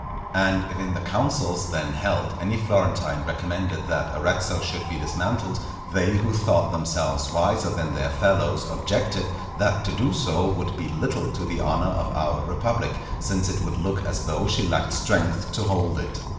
And if in the councils then held any Florentine recommended that Arezzo should be dismantled, they who thought themselves wiser than their fellows objected, that to do so would be little to the honour of our republic, since it would look as though she lacked strength to hold it.